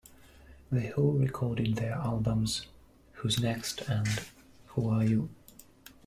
The Who recorded their albums "Who's Next" and "Who Are You".